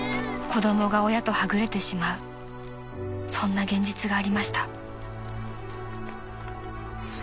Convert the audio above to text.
［子供が親とはぐれてしまうそんな現実がありました］